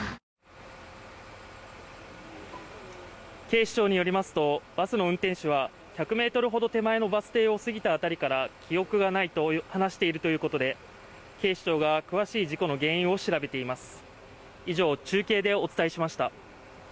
警視庁によりますと、バスの運転手は１００ｍほど手前のバス停を過ぎた辺りから記憶がないと話しているということで警視庁が詳しい事故の原因を調べています。